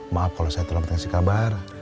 maaf kalau saya terlalu tengah kasih kabar